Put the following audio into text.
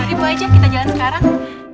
ini pak haji kita jalan sekarang